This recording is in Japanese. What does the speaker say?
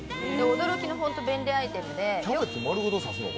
驚きの便利アイテムで。